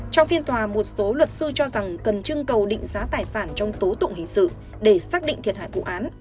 trong phiên tòa một số luật sư cho rằng cần trưng cầu định giá tài sản trong tố tụng hình sự để xác định thiệt hại vụ án